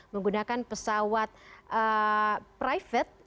menggunakan pesawat private